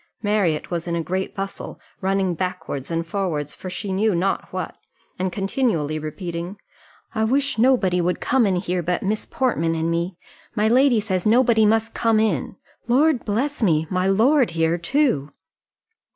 Marriott was in a great bustle, running backwards and forwards for she knew not what, and continually repeating, "I wish nobody would come in here but Miss Portman and me. My lady says nobody must come in. Lord bless me! my lord here too!"